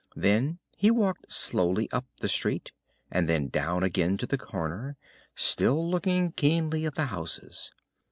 Then he walked slowly up the street, and then down again to the corner, still looking keenly at the houses.